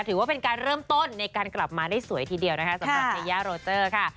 ถือว่าเป็นการเริ่มต้นในการกลับมาได้สวยทีเดียวนะคะสำหรับเทยาโรเตอร์ค่ะ